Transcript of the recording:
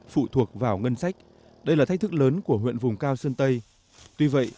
phụ thuộc vào ngân sách đây là thách thức lớn của huyện vùng cao sơn tây tuy vậy